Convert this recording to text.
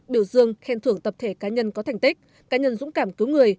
biểu dương khen thưởng tập thể cá nhân có thành tích cá nhân dũng cảm cứu người